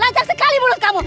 lancak sekali mulut kamu